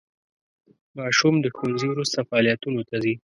ماشوم د ښوونځي وروسته فعالیتونو ته ځي.